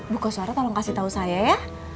buku suara tolong kasih tau saya ya